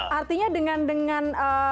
artinya dengan dengan